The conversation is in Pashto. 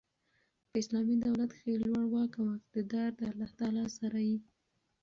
په اسلامي دولت کښي لوړ واک او اقتدار د الله تعالی سره يي.